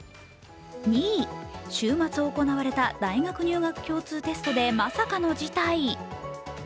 週末行われた大学入学共通テストでまさかの事態。